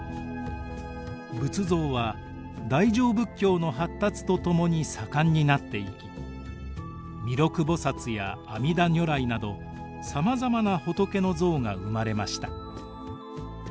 仏像は大乗仏教の発達とともに盛んになっていき弥勒菩や阿弥陀如来などさまざまな仏の像が生まれました。